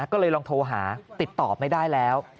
ก็เลยลองโทรหาติดต่อไม่ได้แล้ว